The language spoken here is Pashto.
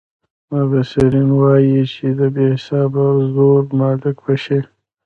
مبصرین یې وايي چې د بې حسابه زرو مالک به شي.